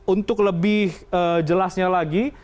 untuk lebih jelasnya lagi